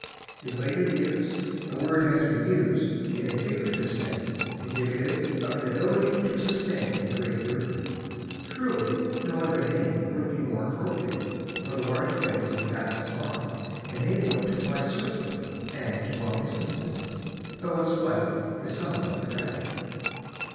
In later years the word has been used in a figurative sense indicative of an ability to sustain a great burden. Truly no other name would be more appropriate, for the large wings of the Atlas Moth enable it to fly swiftly and to long distances, though its flight is somewhat erratic.